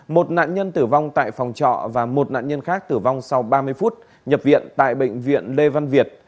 một nạn nhân tử vong tại phòng trọ và một nạn nhân khác tử vong sau ba mươi phút nhập viện tại bệnh viện lê văn việt